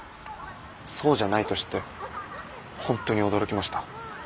そうじゃないと知って本当に驚きました。